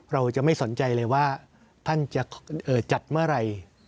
เราจะไม่สนใจเลยว่าท่านจะจัดเมื่อไหร่